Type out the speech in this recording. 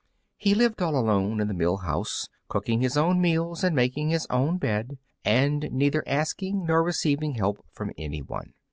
He lived all alone in the mill house, cooking his own meals and making his own bed, and neither asking nor receiving help from anyone.